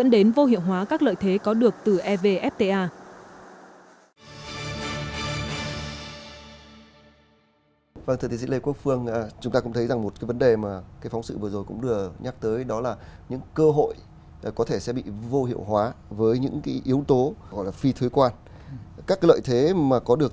dẫn đến vô hiệu hóa các lợi thế có được